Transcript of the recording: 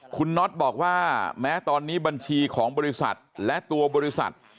คุณน็อตบอกว่าแม้ตอนนี้บัญชีของบริษัทและตัวบริษัท